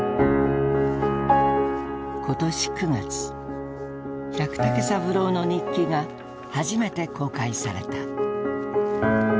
今年９月百武三郎の日記が初めて公開された。